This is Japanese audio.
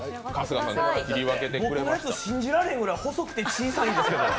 僕のやつ、信じられへんぐらい細くて小さいんですけど。